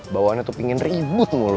bawaannya tuh pengen ribut mulu